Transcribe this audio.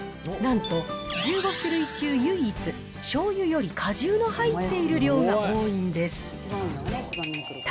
なんと、１５種類中、唯一しょうゆより果汁の入っている量が多いんです。